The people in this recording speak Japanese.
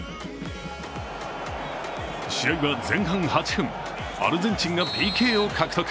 試合は前半８分、アルゼンチンがＰＫを獲得。